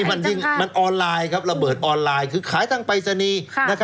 อันนี้มันออนไลน์ครับระเบิดออนไลน์คือขายทางไปรษณีย์